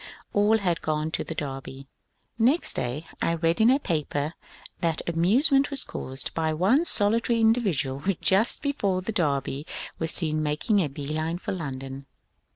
All had gone to the Derby. Next day I read in a paper that amusement was caused by one solitary indi vidual who just before the Derby was seen making a bee line for London.